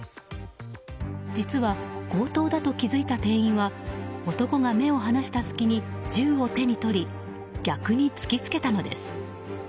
実は、強盗だと気付いた店員は男が目を離した隙に銃を手に取り逆に突きつけたのです。